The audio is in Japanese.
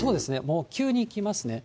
もう急に来ますね。